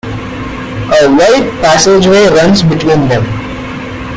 A wide passageway runs between them.